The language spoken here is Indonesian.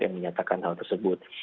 yang menyatakan hal tersebut